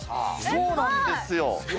そうなんですよ。